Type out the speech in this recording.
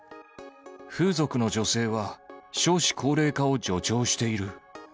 風俗の女性は、少子高齢化を助長している。